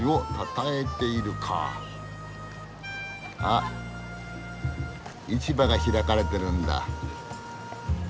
あ市場が開かれてるんだ。